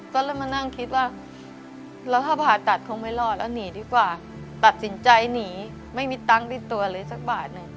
ก็เลยมานั่งคิดว่าแล้วถ้าผ่าตัดคงไม่รอดแล้วหนีดีกว่าตัดสินใจหนีไม่มีตังค์ติดตัวเลยสักบาทหนึ่ง